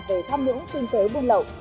về tham nhũng kinh tế buôn lậu